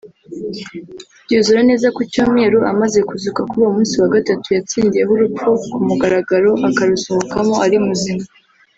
byuzura neza ku cyumweru amaze kuzuka kuri uwo munsi wa gatatu yatsindiyeho urupfu ku mugaragaro akarusohokamo ari muzima